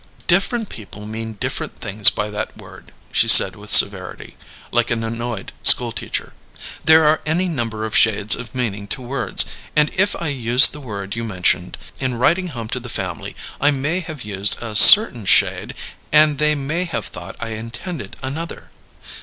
"Different people mean different things by that word," she said with severity, like an annoyed school teacher. "There are any number of shades of meaning to words; and if I used the word you mention, in writing home to the family, I may have used a certain shade and they may have thought I intended another."